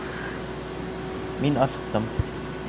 Мин асыҡтым